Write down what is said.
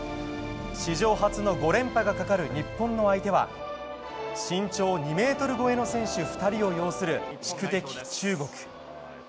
史上初の５連覇がかかる日本の相手は身長２ｍ超えの選手２人を擁する宿敵・中国。